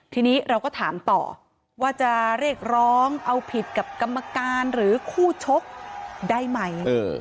ทีนี้เราก็ถามต่อว่าจะเรียกร้องเอาผิดกับกรรมการหรือคู่ชกได้ไหม